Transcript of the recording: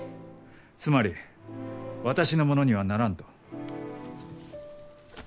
つまり私のものにはならんと？